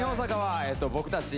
僕たち